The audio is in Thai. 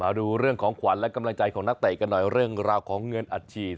ดูเรื่องของขวัญและกำลังใจของนักเตะกันหน่อยเรื่องราวของเงินอัดฉีด